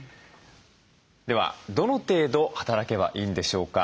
ではどの程度働けばいいんでしょうか。